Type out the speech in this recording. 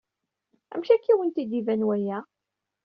Amek akka i awent-d-iban waya?